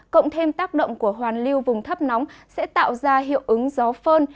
cộng thêm tác động của hoàn lưu vùng thấp nóng sẽ tạo ra hiệu ứng gió phơn